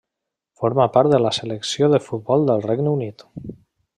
Forma part de la Selecció de futbol del Regne Unit.